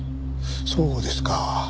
そうですか。